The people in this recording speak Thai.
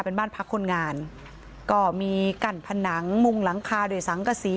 เป็นบ้านพักคนงานก็มีกั้นผนังมุงหลังคาด้วยสังกษี